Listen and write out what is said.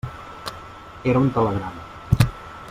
Era un telegrama.